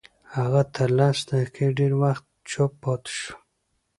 هغه تر لس دقيقې ډېر وخت چوپ پاتې شو.